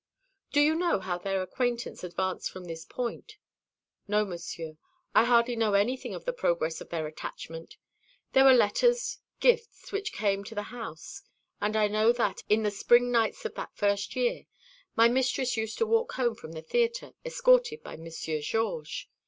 "Do you know how their acquaintance advanced from this point?" "No, Monsieur. I hardly know anything of the progress of their attachment. There were letters gifts which came to the house. And I know that, in the spring nights of that first year, my mistress used to walk home from the theatre, escorted by Monsieur Georges.